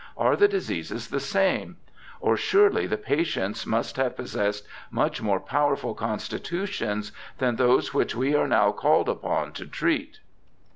Are the diseases the same ? or surely the patients must have possessed much more powerful constitutions than those which we are now called upon to treat.